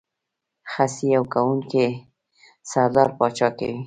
خصي او ګونګی سردار پاچا کوي.